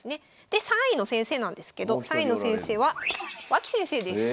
で３位の先生なんですけど３位の先生は脇先生です。